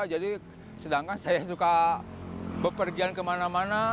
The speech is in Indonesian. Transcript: jadi sedangkan saya suka berpergian kemana mana